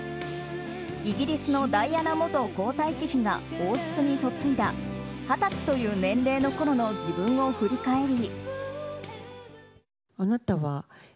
イギリスのダイアナ元皇太子妃が王室に嫁いだ二十歳という年齢のころの自分を振り返り。